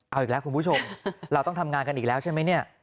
เอาอีกแล้วคุณผู้ชมเราต้องทำงานกันอีกแล้วใช่ไหมเนี่ย